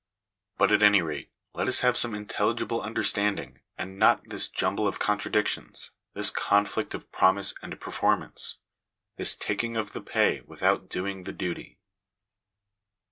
But at any rate let us have some intelligible understanding, and not this jumble of contradictions — this conflict of promise and performance — this taking of the pay without doing the duty."